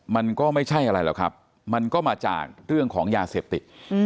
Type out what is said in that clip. มันก็ไม่ใช่อะไรหรอกครับมันก็มาจากเรื่องของยาเสพติด